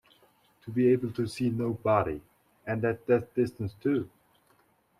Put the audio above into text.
To be able to see Nobody! And at that distance, too!